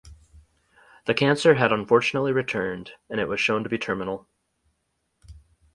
The cancer had unfortunately returned and it was shown to be terminal.